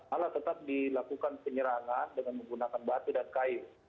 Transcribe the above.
malah tetap dilakukan penyerangan dengan menggunakan batu dan kayu